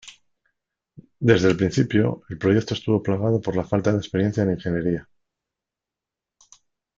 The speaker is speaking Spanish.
Desde el principio, el proyecto estuvo plagado por la falta de experiencia en ingeniería.